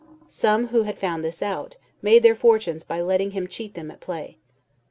Some who had found this out, made their fortunes by letting him cheat them at play.